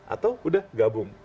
atau sudah gabung